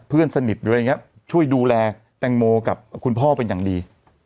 เพื่อนสนิทหรืออะไรอย่างนี้ช่วยดูแลแตงโมกับคุณพ่อเป็นอย่างดี